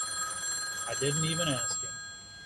I didn't even ask him.